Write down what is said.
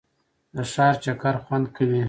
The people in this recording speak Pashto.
د ښار چکر خوند کوي.